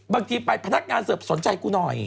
บางทีไปพนักงานเสิร์ฟสนใจกูหน่อย